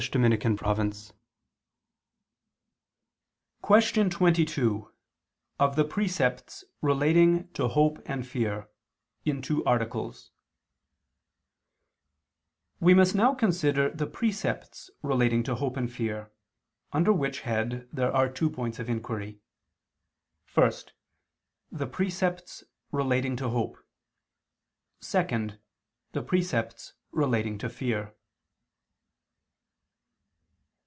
_______________________ QUESTION 22 OF THE PRECEPTS RELATING TO HOPE AND FEAR (In Two Articles) We must now consider the precepts relating to hope and fear: under which head there are two points of inquiry: (1) The precepts relating to hope; (2) The precepts relating to fear.